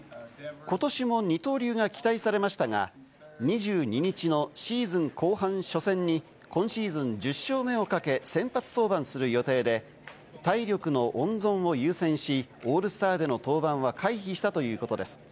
今年も二刀流が期待されましたが、２２日のシーズン後半初戦に今シーズン１０勝目をかけ先発登板する予定で、体力の温存を優先し、オールスターでの登板は回避したということです。